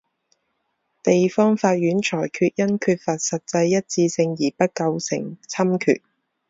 地区法院裁决因缺乏实际一致性而不构成侵权。